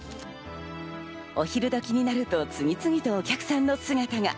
お昼時になると次々とお客さんの姿が。